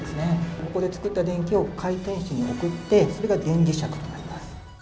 ここで作った電気を回転子に送ってそれが電磁石となります。